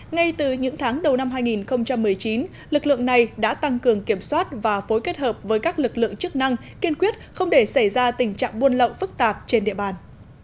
ngay từ những tháng đầu năm hai nghìn một mươi chín lực lượng này đã tăng cường kiểm soát và phối kết hợp với các lực lượng chức năng kiên quyết không để xảy ra tình trạng buôn lậu phức tạp trên địa bàn